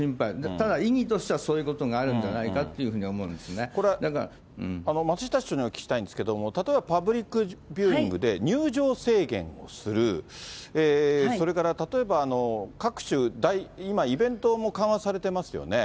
ただ意義としてはそういうことがあるんじゃないかなというふうに松下市長にお聞きしたいんですけれども、例えばパブリックビューイングで入場制限をする、それから例えば、各種、今、イベントも緩和されてますよね。